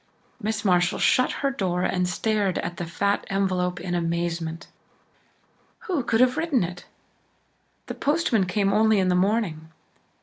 Miss Marshall shut her door and stared at the fat envelope in amazement. Who could have written it? The postman came only in the morning.